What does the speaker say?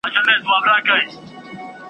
پردي به ولي ورته راتللای .